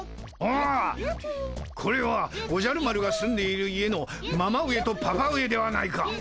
ああこれはおじゃる丸が住んでいる家のママ上とパパ上ではないか。